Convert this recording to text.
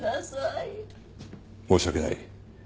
申し訳ない。